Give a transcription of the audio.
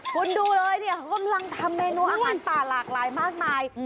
คุณดูเลยเนี่ยเขากำลังทำเมนูอาหารป่าหลากหลายมากมาย